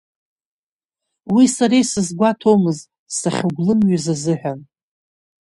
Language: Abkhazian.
Уи сара исызгәаҭомызт сахьыгәлымҩыз азыҳәан.